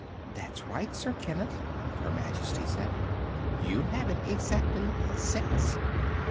"That's right, Sir Kenneth," Her Majesty said. "You have it exactly. Six."